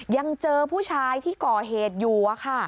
ยังเจอผู้ชายที่ก่อเหตุอยู่